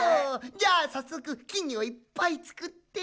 じゃあさっそくきんぎょをいっぱいつくって。